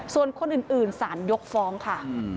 ส่วนคนอื่นสารยกฟ้องค่ะ